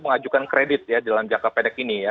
mengajukan kredit ya dalam jangka pendek ini ya